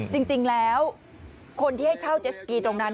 จริงแล้วคนที่ให้เช่าเจสกีตรงนั้น